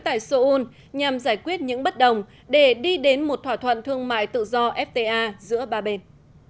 tại seoul nhằm giải quyết những bất đồng để đi đến một thỏa thuận thương mại tự do fta giữa ba bên